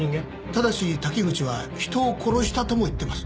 ただし滝口は人を殺したとも言っています。